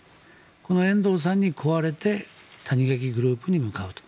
この遠藤さんに乞われて谷垣グループに向かうと。